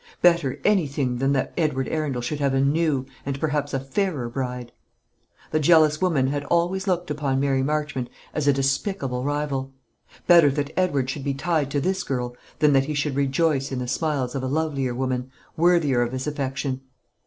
Better anything than that Edward Arundel should have a new, and perhaps a fairer, bride. The jealous woman had always looked upon Mary Marchmont as a despicable rival. Better that Edward should be tied to this girl, than that he should rejoice in the smiles of a lovelier woman, worthier of his affection.